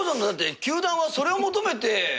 だって球団はそれを求めて。